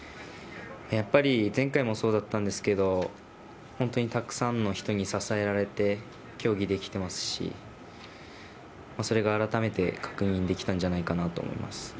やっぱり前回もそうだったんですけど、本当にたくさんの人に支えられて、競技できてますし、それが改めて確認できたんじゃないかなと思います。